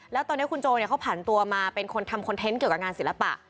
แล้วตอนนี้คุณโจเขาผ่านตัวมาเป็นคนทำคอนเทนต์เกี่ยวกับงานศิลปะ